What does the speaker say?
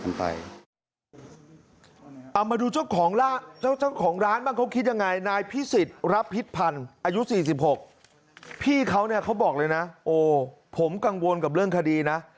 เอามาดูเจ้าของร้านบ้างเขาคิดยังไงนายพิสิทธิ์รับพิษพันธ์อายุ๔๖พี่เขาเนี่ยเขาบอกเลยนะโอ้ผมกังวลกับเรื่องคดีนะ